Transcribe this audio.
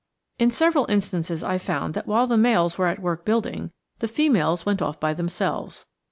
In several instances I found that while the males were at work building, the females went off by themselves.